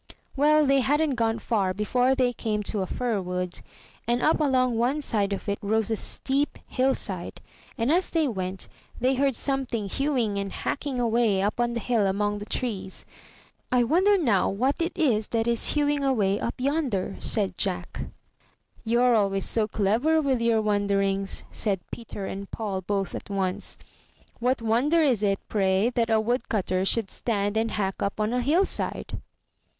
Well, they hadn't gone far before they came to a fir wood, and up along one side of it rose a steep hill side, and as they went, they heard something hewing 238 UP ONE PAIR OF STAIRS and hacking away up on the hill among the trees. *'I wonder now what it is that is hewing away up yonder/' said Jack. ^'You're always so clever with your wonderings," said Peter and Paul both at once. *'What wonder is it, pray, that a woodcutter should stand and hack up on a hill side?